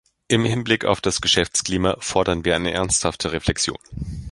Im Hinblick auf das Geschäftsklima fordern wir eine ernsthafte Reflexion.